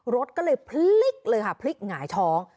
รถก็เลยพลิกเลยค่ะพลิกหงายท้อง